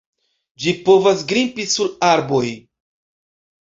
Ĝi povas grimpi sur arboj.